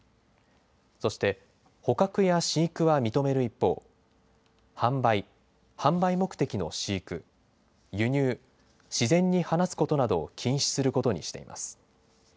そして捕獲や飼育は認める一方、販売、販売目的の飼育、輸入、自然に放つことなどを禁止することにしています。